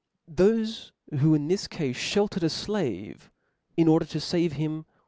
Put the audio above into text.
Thofe who, in this cafe, fheltered a flave, in order to fave him, (9)Leg.